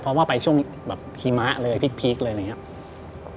เพราะว่าไปช่วงฮิมะเลยพลิกเลยอย่างนี้